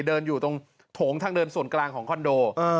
เดินอยู่ตรงโถงทางเดินส่วนกลางของคอนโด